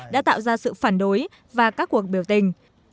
đã tạo ra sự phản đối và các cuộc biểu tình